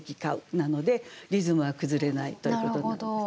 なのでリズムは崩れないということになります。